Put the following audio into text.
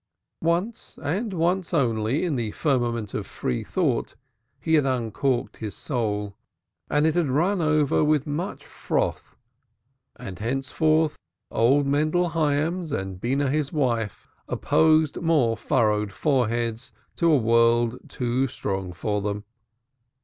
Once and once only in the ferment of free thought he had uncorked his soul, and it had run over with much froth, and thenceforward old Mendel Hyams and Beenah, his wife, opposed more furrowed foreheads to a world too strong for them.